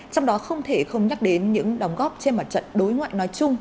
trong đó không thể không nhắc đến những đóng góp trên mặt trận đối ngoại nói chung